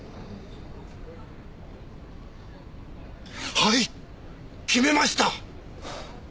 はい決めました！